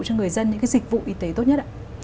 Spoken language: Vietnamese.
cho người dân những cái dịch vụ y tế tốt nhất ạ